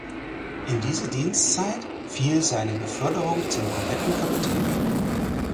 In diese Dienstzeit fiel seine Beförderung zum Korvettenkapitän.